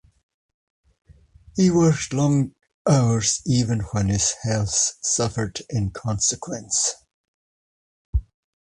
He worked long hours even when his health suffered in consequence.